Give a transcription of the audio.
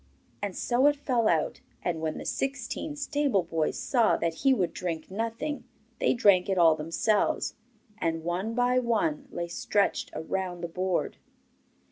And so it fell out; and when the sixteen stable boys saw that he would drink nothing, they drank it all themselves, and one by one lay stretched around the board.